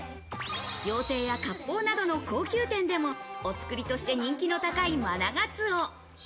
料亭や割烹などの高級店でもお造りとして人気の高いマナガツオ。